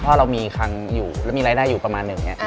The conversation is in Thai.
ถ้าเรามีคังอยู่แล้วมีรายได้อยู่ประมาณหนึ่งเนี่ย